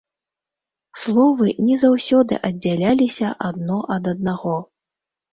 Словы не заўсёды аддзяляліся адно ад аднаго.